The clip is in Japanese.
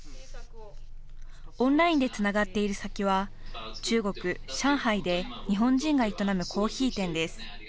オンラインでつながっている先は中国・上海で日本人が営むコーヒー店です。